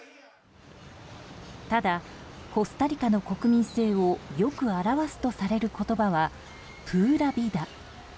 ただコスタリカの国民性をよく表すとされる言葉はプーラ・ビダ。